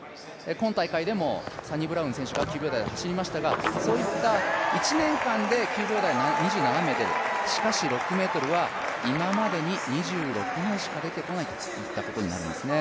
今大会でもサニブラウン選手が９秒台で走りましたが１年間で９秒台が２７名出る、しかし６ｍは今までに２６名しか出てこないといったことになるんですね。